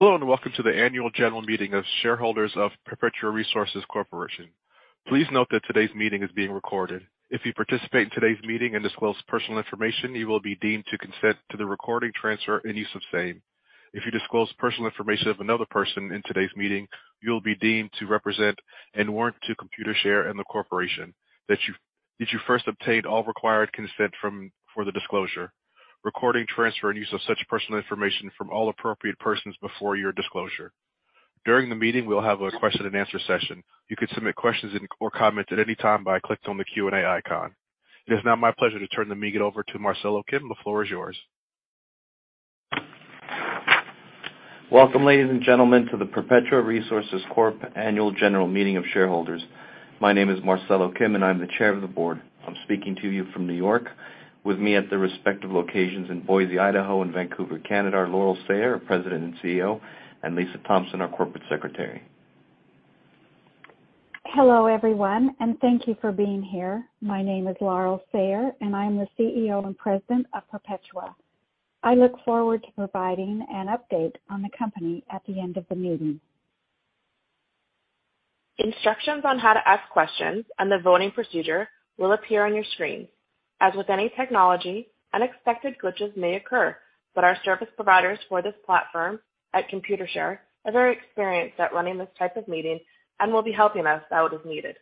Hello, welcome to the Annual General Meeting of Shareholders of Perpetua Resources Corporation. Please note that today's meeting is being recorded. If you participate in today's meeting and disclose personal information, you will be deemed to consent to the recording, transfer, and use of same. If you disclose personal information of another person in today's meeting, you will be deemed to represent and warrant to Computershare and the corporation that you first obtained all required consent from for the disclosure, recording, transfer, and use of such personal information from all appropriate persons before your disclosure. During the meeting, we'll have a question and answer session. You can submit questions and or comments at any time by clicking on the Q&A icon. It is now my pleasure to turn the meeting over to Marcelo Kim. The floor is yours. Welcome, ladies and gentlemen, to the Perpetua Resources Corp Annual General Meeting of Shareholders. My name is Marcelo Kim, and I'm the chair of the board. I'm speaking to you from New York. With me at their respective locations in Boise, Idaho, and Vancouver, Canada, are Laurel Sayer, our president and CEO, and Lisa Thompson, our corporate secretary. Hello, everyone, and thank you for being here. My name is Laurel Sayer, and I am the CEO and President of Perpetua. I look forward to providing an update on the company at the end of the meeting. Instructions on how to ask questions and the voting procedure will appear on your screen. As with any technology, unexpected glitches may occur, but our service providers for this platform at Computershare are very experienced at running this type of meeting and will be helping us out as needed.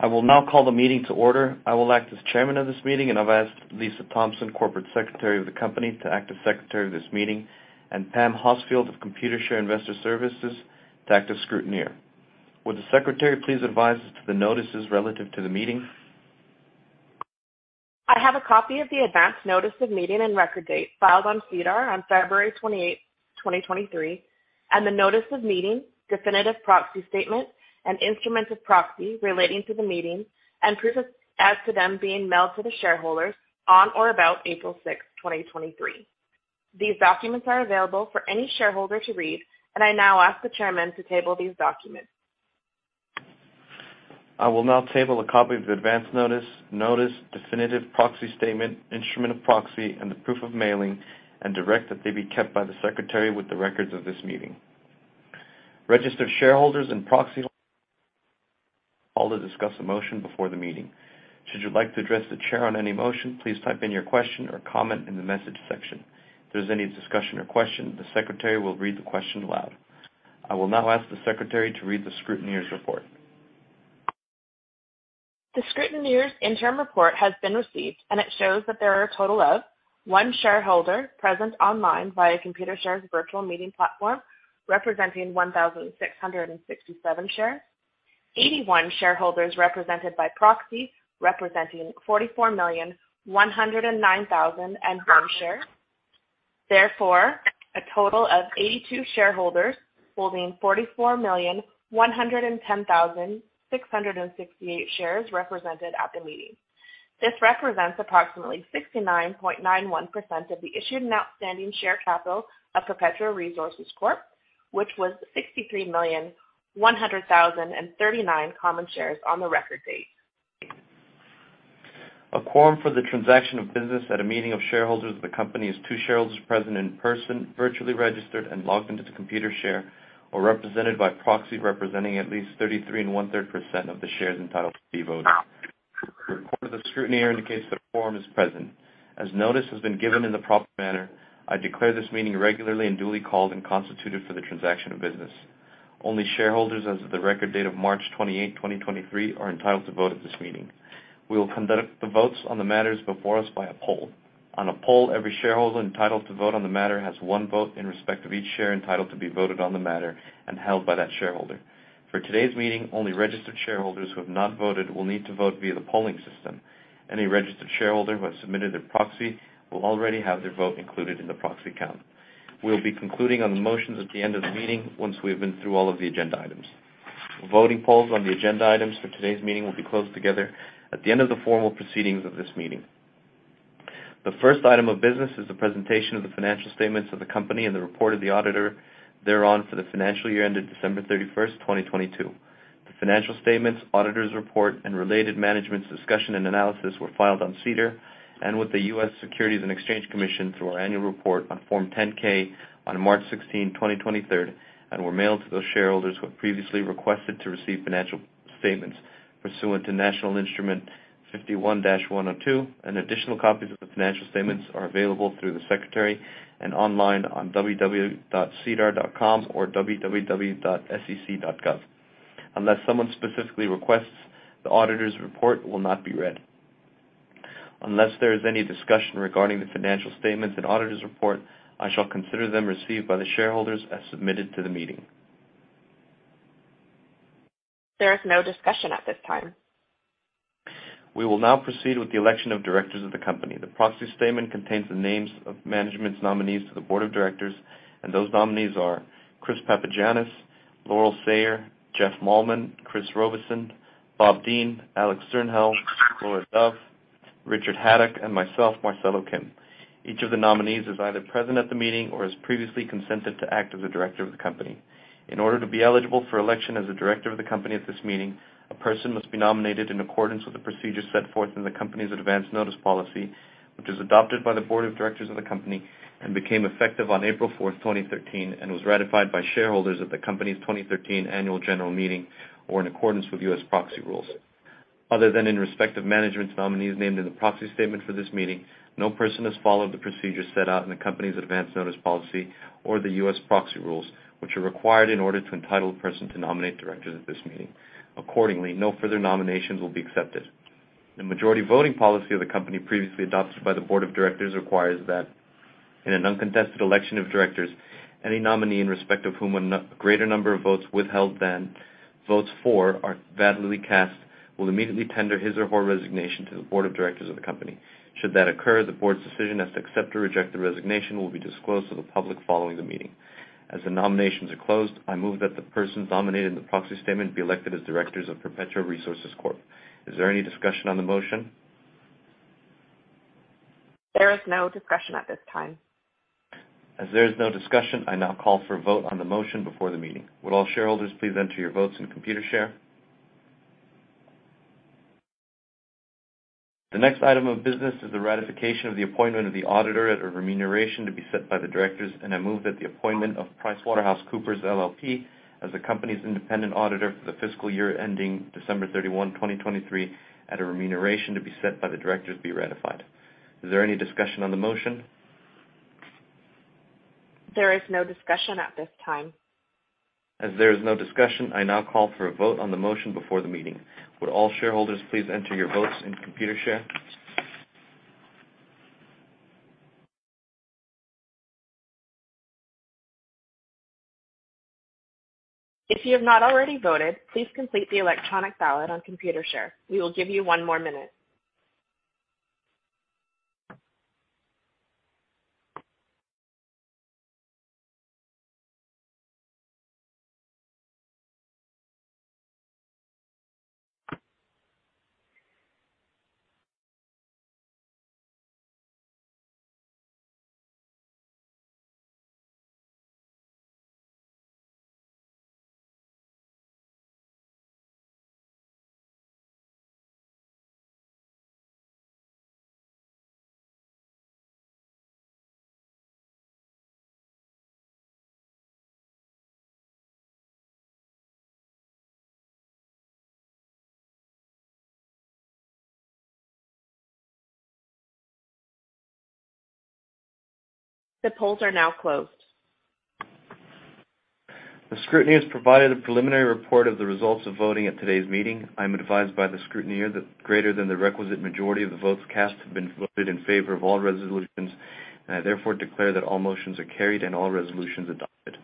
I will now call the meeting to order. I will act as chairman of this meeting, and I've asked Lisa Thompson, Corporate Secretary of the company, to act as secretary of this meeting, and Pam Hosfield of Computershare Investor Services to act as scrutineer. Would the Secretary please advise us to the notices relative to the meeting? I have a copy of the advanced notice of meeting and record date filed on SEDAR on February 28, 2023, and the notice of meeting, definitive proxy statement, and instrument of proxy relating to the meeting and proof of as to them being mailed to the shareholders on or about April sixth, 2023. These documents are available for any shareholder to read, and I now ask the chairman to table these documents. I will now table a copy of the advanced notice, definitive proxy statement, instrument of proxy, and the proof of mailing and direct that they be kept by the Secretary with the records of this meeting. Registered shareholders and proxy to discuss a motion before the meeting. Should you like to address the chair on any motion, please type in your question or comment in the message section. If there's any discussion or question, the Secretary will read the question aloud. I will now ask the Secretary to read the Scrutineer's report. The scrutineer's interim report has been received, and it shows that there are a total of 1 shareholder present online via Computershare's virtual meeting platform, representing 1,667 shares. 81 shareholders represented by proxy, representing 44,109,001 share. Therefore, a total of 82 shareholders holding 44,110,668 shares represented at the meeting. This represents approximately 69.91% of the issued and outstanding share capital of Perpetua Resources Corp., which was 63,100,039 common shares on the record date. A quorum for the transaction of business at a meeting of shareholders of the company is 2 shareholders present in person, virtually registered and logged into the Computershare, or represented by proxy, representing at least 33 and 1/3% of the shares entitled to be voted. The report of the scrutineer indicates the quorum is present. As notice has been given in the proper manner, I declare this meeting regularly and duly called and constituted for the transaction of business. Only shareholders as of the record date of March 28, 2023 are entitled to vote at this meeting. We will conduct the votes on the matters before us by a poll. On a poll, every shareholder entitled to vote on the matter has 1 vote in respect of each share entitled to be voted on the matter and held by that shareholder. For today's meeting, only registered shareholders who have not voted will need to vote via the polling system. Any registered shareholder who has submitted a proxy will already have their vote included in the proxy count. We'll be concluding on the motions at the end of the meeting once we have been through all of the agenda items. The voting polls on the agenda items for today's meeting will be closed together at the end of the formal proceedings of this meeting. The first item of business is the presentation of the financial statements of the company and the report of the auditor thereon for the financial year ended December 31st, 2022. The financial statements, auditor's report, and related management's discussion and analysis were filed on SEDAR and with the US Securities and Exchange Commission through our annual report on Form 10-K on March 16, 2023, and were mailed to those shareholders who have previously requested to receive financial statements pursuant to National Instrument 51-102. Additional copies of the financial statements are available through the secretary and online on www.sedar.com or www.sec.gov. Unless someone specifically requests, the auditor's report will not be read. Unless there is any discussion regarding the financial statements and auditor's report, I shall consider them received by the shareholders as submitted to the meeting. There is no discussion at this time. We will now proceed with the election of directors of the company. The proxy statement contains the names of management's nominees to the board of directors, and those nominees are Chris Papagianis, Laurel Sayer, Jeff Malmen, Chris Robison, Bob Dean, Alex Sternhell, Laura Dove Richard Haddock and myself, Marcelo Kim. Each of the nominees is either present at the meeting or has previously consented to act as a director of the company. In order to be eligible for election as a director of the company at this meeting, a person must be nominated in accordance with the procedures set forth in the company's advance notice policy, which is adopted by the board of directors of the company and became effective on April 4, 2013, and was ratified by shareholders at the company's 2013 annual general meeting or in accordance with U.S. proxy rules. Other than in respect of management's nominees named in the proxy statement for this meeting, no person has followed the procedures set out in the company's advance notice policy or the U.S. proxy rules, which are required in order to entitle a person to nominate directors at this meeting. No further nominations will be accepted. The majority voting policy of the company previously adopted by the board of directors requires that in an uncontested election of directors, any nominee in respect of whom a greater number of votes withheld than votes for are validly cast will immediately tender his or her resignation to the board of directors of the company. Should that occur, the board's decision as to accept or reject the resignation will be disclosed to the public following the meeting. As the nominations are closed, I move that the persons nominated in the proxy statement be elected as directors of Perpetua Resources Corp. Is there any discussion on the motion? There is no discussion at this time. As there is no discussion, I now call for a vote on the motion before the meeting. Would all shareholders please enter your votes in Computershare. The next item of business is the ratification of the appointment of the auditor at a remuneration to be set by the directors. I move that the appointment of PricewaterhouseCoopers LLP as the company's independent auditor for the fiscal year ending December 31, 2023, at a remuneration to be set by the directors be ratified. Is there any discussion on the motion? There is no discussion at this time. As there is no discussion, I now call for a vote on the motion before the meeting. Would all shareholders please enter your votes in Computershare? If you have not already voted, please complete the electronic ballot on Computershare. We will give you one more minute. The polls are now closed. The scrutineer has provided a preliminary report of the results of voting at today's meeting. I'm advised by the scrutineer that greater than the requisite majority of the votes cast have been voted in favor of all resolutions. I therefore declare that all motions are carried and all resolutions adopted.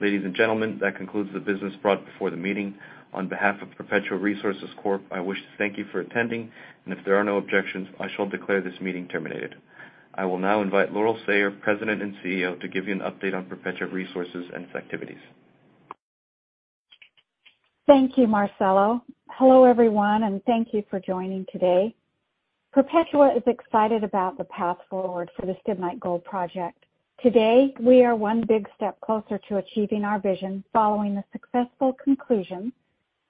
Ladies and gentlemen, that concludes the business brought before the meeting. On behalf of Perpetua Resources Corp, I wish to thank you for attending. If there are no objections, I shall declare this meeting terminated. I will now invite Laurel Sayer, President and CEO, to give you an update on Perpetua Resources and its activities. Thank you, Marcelo. Hello, everyone, thank you for joining today. Perpetua is excited about the path forward for the Stibnite Gold Project. Today, we are one big step closer to achieving our vision following the successful conclusion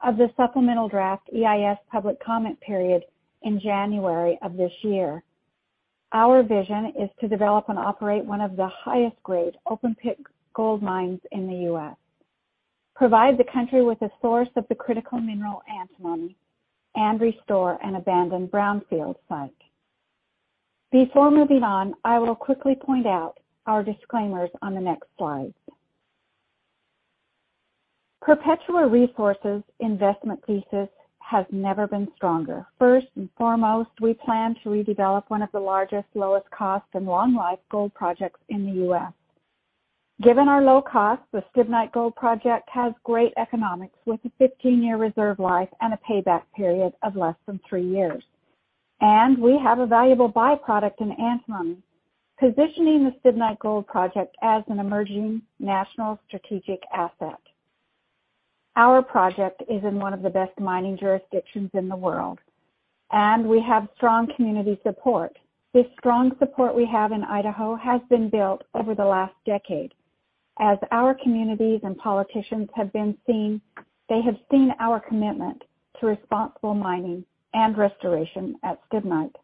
of the supplemental draft EIS public comment period in January of this year. Our vision is to develop and operate one of the highest grade open pit gold mines in the U.S., provide the country with a source of the critical mineral antimony, and restore an abandoned brownfield site. Before moving on, I will quickly point out our disclaimers on the next slides. Perpetua Resources' investment thesis has never been stronger. First and foremost, we plan to redevelop one of the largest, lowest cost and long-life gold projects in the U.S. Given our low cost, the Stibnite Gold Project has great economics with a 15-year reserve life and a payback period of less than 3 years. We have a valuable byproduct in antimony, positioning the Stibnite Gold Project as an emerging national strategic asset. Our project is in one of the best mining jurisdictions in the world, we have strong community support. This strong support we have in Idaho has been built over the last decade. As our communities and politicians have been seeing, they have seen our commitment to responsible mining and restoration at Stibnite.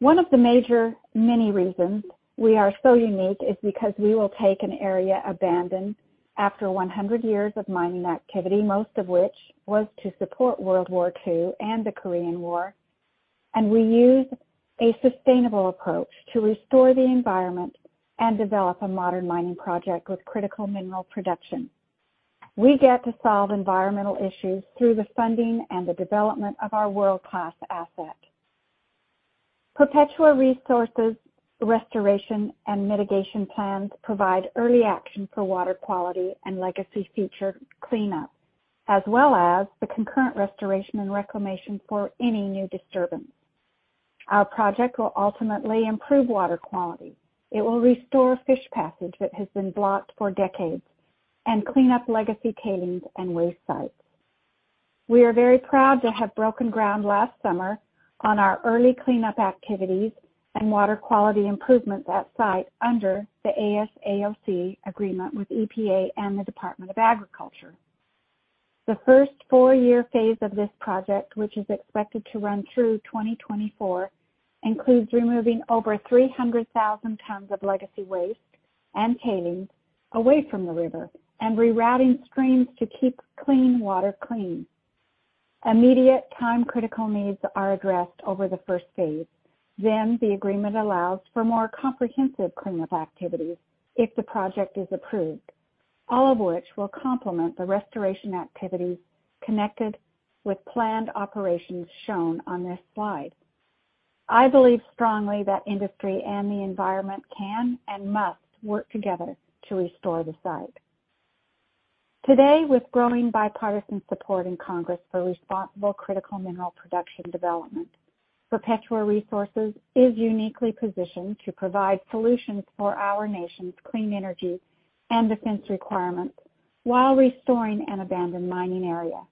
One of the many reasons we are so unique is because we will take an area abandoned after 100 years of mining activity, most of which was to support World War II and the Korean War, and we use a sustainable approach to restore the environment and develop a modern mining project with critical mineral production. We get to solve environmental issues through the funding and the development of our world-class asset. Perpetua Resources' restoration and mitigation plans provide early action for water quality and legacy future cleanup, as well as the concurrent restoration and reclamation for any new disturbance. Our project will ultimately improve water quality. It will restore fish passage that has been blocked for decades and clean up legacy tailings and waste sites. We are very proud to have broken ground last summer on our early cleanup activities and water quality improvements at site under the ASAOC agreement with EPA and the Department of Agriculture. The first four-year phase of this project, which is expected to run through 2024, includes removing over 300,000 tons of legacy waste and tailings away from the river and rerouting streams to keep clean water clean. Immediate time-critical needs are addressed over the first phase. The agreement allows for more comprehensive cleanup activities if the project is approved, all of which will complement the restoration activities connected with planned operations shown on this slide. I believe strongly that industry and the environment can and must work together to restore the site. Today, with growing bipartisan support in Congress for responsible critical mineral production development, Perpetua Resources is uniquely positioned to provide solutions for our nation's clean energy and defense requirements while restoring an abandoned mining area.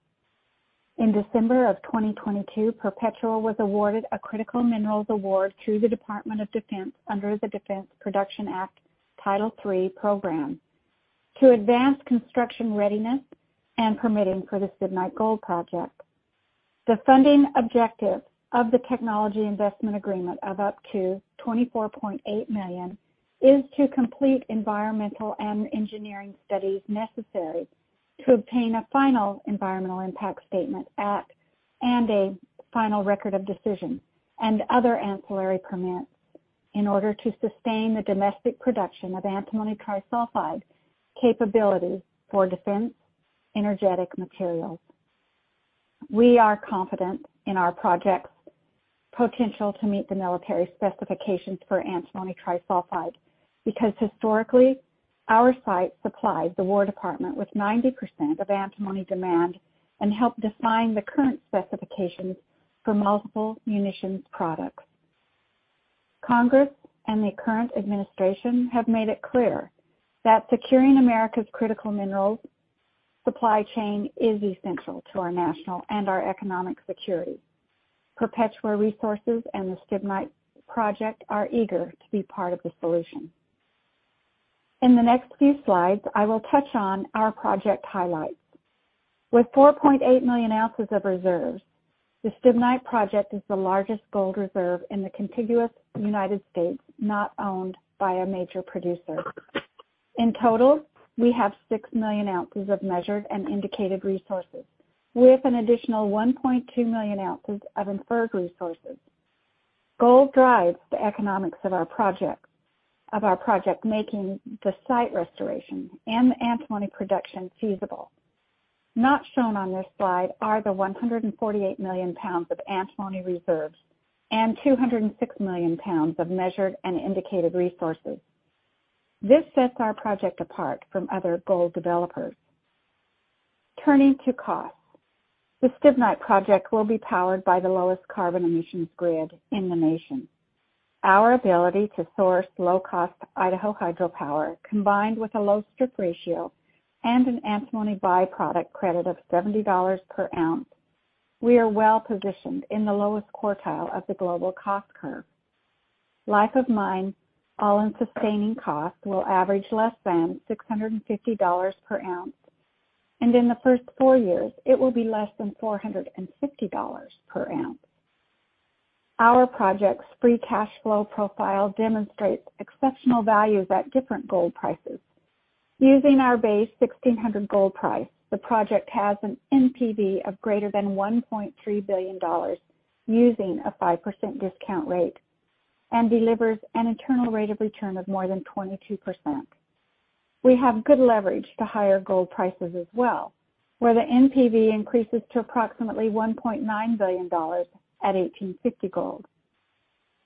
In December of 2022, Perpetua Resources was awarded a critical minerals award through the Department of Defense under the Defense Production Act Title III program to advance construction readiness and permitting for the Stibnite Gold Project. The funding objective of the Technology Investment Agreement of up to $24.8 million is to complete environmental and engineering studies necessary to obtain a final Environmental Impact Statement at, and a final Record of Decision and other ancillary permits in order to sustain the domestic production of antimony trisulfide capabilities for defense energetic materials. We are confident in our project's potential to meet the military specifications for antimony trisulfide because historically, our site supplied the War Department with 90% of antimony demand and helped define the current specifications for multiple munitions products. Congress and the current administration have made it clear that securing America's critical minerals supply chain is essential to our national and our economic security. Perpetua Resources and the Stibnite Project are eager to be part of the solution. In the next few slides, I will touch on our project highlights. With 4.8 million ounces of reserves, the Stibnite Project is the largest gold reserve in the contiguous United States not owned by a major producer. In total, we have 6 million ounces of measured and indicated resources, with an additional 1.2 million ounces of inferred resources. Gold drives the economics of our project, making the site restoration and the antimony production feasible. Not shown on this slide are the 148 million pounds of antimony reserves and 206 million pounds of measured and indicated resources. This sets our project apart from other gold developers. Turning to costs. The Stibnite project will be powered by the lowest carbon emissions grid in the nation. Our ability to source low-cost Idaho hydropower, combined with a low strip ratio and an antimony byproduct credit of $70 per ounce, we are well positioned in the lowest quartile of the global cost curve. Life of mine, all-in sustaining costs will average less than $650 per ounce, and in the first 4 years, it will be less than $450 per ounce. Our project's free cash flow profile demonstrates exceptional values at different gold prices. Using our base 1,600 gold price, the project has an NPV of greater than $1.3 billion using a 5% discount rate and delivers an internal rate of return of more than 22%. We have good leverage to higher gold prices as well, where the NPV increases to approximately $1.9 billion at 1,850 gold.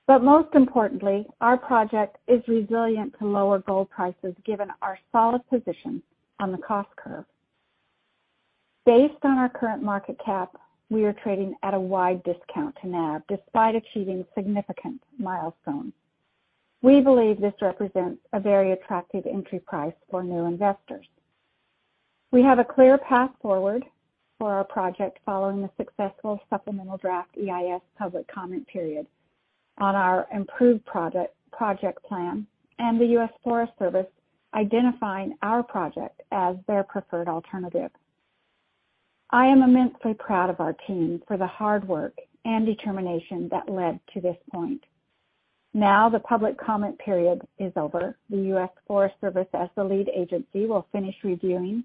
Most importantly, our project is resilient to lower gold prices given our solid position on the cost curve. Based on our current market cap, we are trading at a wide discount to NAV despite achieving significant milestones. We believe this represents a very attractive entry price for new investors. We have a clear path forward for our project following the successful supplemental draft EIS public comment period on our improved project plan and the US Forest Service identifying our project as their preferred alternative. I am immensely proud of our team for the hard work and determination that led to this point. Now the public comment period is over. The U.S. Forest Service, as the lead agency, will finish reviewing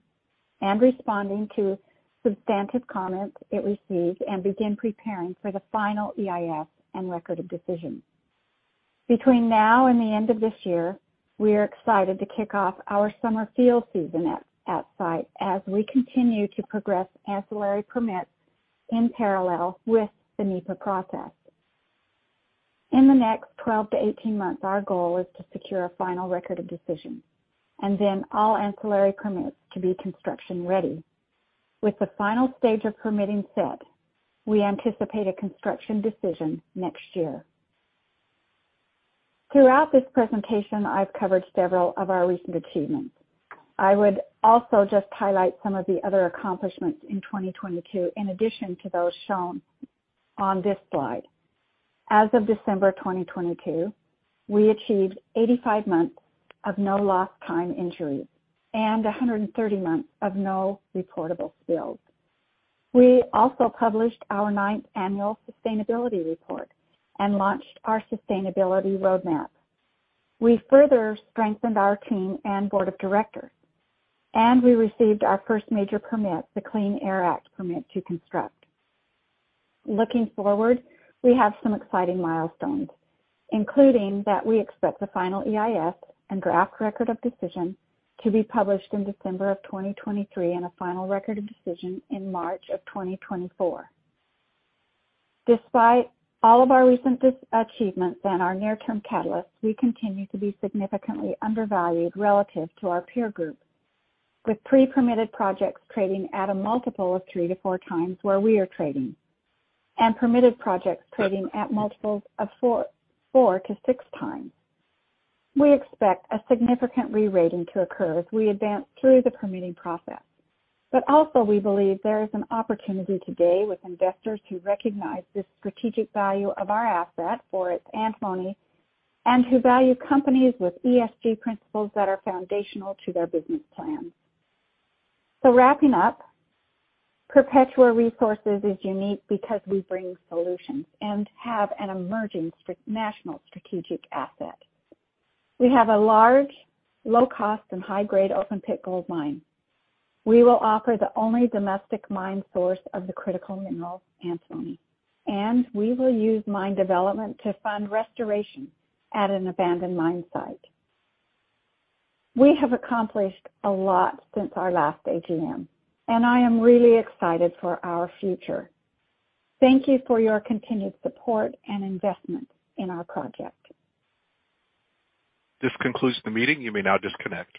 and responding to substantive comments it receives and begin preparing for the final EIS and Record of Decision. Between now and the end of this year, we are excited to kick off our summer field season at site as we continue to progress ancillary permits in parallel with the NEPA process. In the next 12 to 18 months, our goal is to secure a final Record of Decision, and then all ancillary permits to be construction ready. With the final stage of permitting set, we anticipate a construction decision next year. Throughout this presentation, I've covered several of our recent achievements. I would also just highlight some of the other accomplishments in 2022 in addition to those shown on this slide. As of December 2022, we achieved 85 months of no lost time injuries and 130 months of no reportable spills. We also published our ninth Annual Sustainability Report and launched our sustainability roadmap. We further strengthened our team and board of directors, and we received our first major permit, the Clean Air Act permit to construct. Looking forward, we have some exciting milestones, including that we expect the final EIS and draft Record of Decision to be published in December of 2023 and a final Record of Decision in March of 2024. Despite all of our recent achievements and our near-term catalysts, we continue to be significantly undervalued relative to our peer group, with pre-permitted projects trading at a multiple of 3 to 4x where we are trading, and permitted projects trading at multiples of 4 to 6 times. We expect a significant re-rating to occur as we advance through the permitting process. Also we believe there is an opportunity today with investors to recognize the strategic value of our asset for its antimony and to value companies with ESG principles that are foundational to their business plans. Wrapping up, Perpetua Resources is unique because we bring solutions and have an emerging national strategic asset. We have a large, low-cost and high-grade open-pit gold mine. We will offer the only domestic mine source of the critical mineral antimony, and we will use mine development to fund restoration at an abandoned mine site. We have accomplished a lot since our last AGM, and I am really excited for our future. Thank you for your continued support and investment in our project. This concludes the meeting. You may now disconnect.